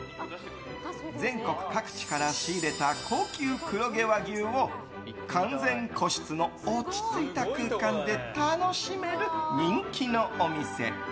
全国各地から仕入れた高級黒毛和牛を完全個室の落ち着いた空間で楽しめる人気のお店。